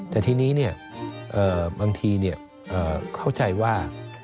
แต่ทีนี้บางทีเข้าใจว่า